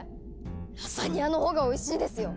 ⁉ラザニアの方がおいしいですよ！